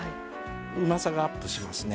うまさがアップしますね。